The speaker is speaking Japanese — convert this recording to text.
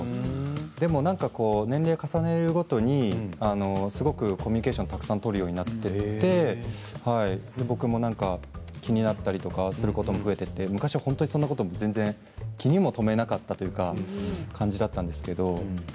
でも年齢を重ねるごとにすごくコミュニケーションをたくさんとるようになっていって僕も気になったりすることも増えていって昔は本当にそんなこと気にも留めなかったというか感じだったんですけど。